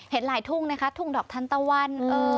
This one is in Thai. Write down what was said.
เห็นหลายทุ่งนะคะทุ่งดอกทันตะวัน